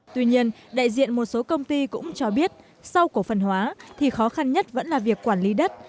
tuy nhiên đại diện một số công ty cũng cho biết sau cổ phần hóa thì khó khăn nhất vẫn là việc quản lý đất